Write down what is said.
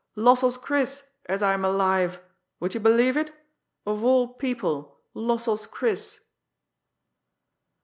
"Lossell's Chris, as I'm alive! Would you believe it? Of all people, Lossell's Chris